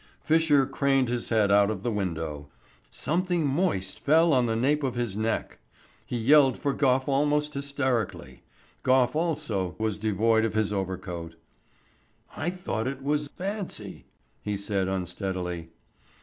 Fisher craned his head out of the window. Something moist fell on the nape of his neck. He yelled for Gough almost hysterically. Gough also was devoid of his overcoat. "I thought it was fancy," he said unsteadily.